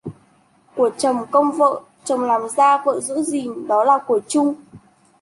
Của chồng, công vợ: chồng làm ra, vợ gìn giữ, đó là của chung.